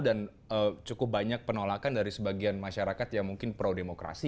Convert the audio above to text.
dan cukup banyak penolakan dari sebagian masyarakat yang mungkin pro demokrasi